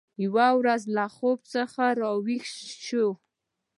یوه ورځ له خوب څخه راویښه شوه